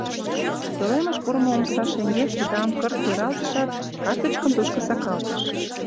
Пӧлемыш пурымо омса шеҥгек пудам кырт пералтышат, картычкым тушко сакалтыш.